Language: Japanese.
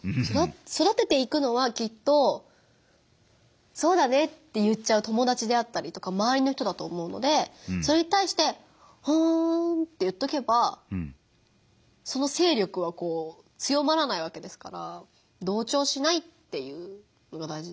そだてていくのはきっと「そうだね」って言っちゃう友達であったりとかまわりの人だと思うのでそれに対して「ふん」って言っとけばその勢力は強まらないわけですから同調しないっていうのがだいじですかね。